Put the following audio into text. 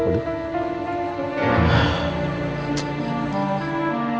ditanya malah kabur budaknya